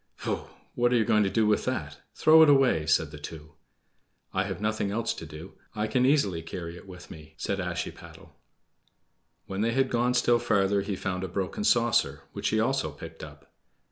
"Pooh! what are you going to do with that? Throw it away," said the two. "I have nothing else to do. I can easily carry it with me," said Ashiepattle. When they had gone still farther he found a broken saucer, which he also picked up.